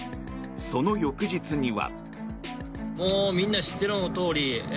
その翌日には。